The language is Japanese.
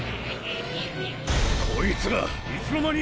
こいつらいつの間に！？